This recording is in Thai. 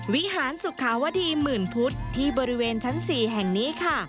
วิหารสุขาวดีหมื่นพุทธที่บริเวณชั้น๔แห่งนี้ค่ะ